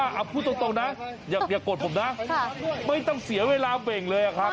ฟรุ่กห้องพูดตรงนะอย่าโกรธผมนะไม่ต้องเสียเวลาเป็นเลยหรือคะ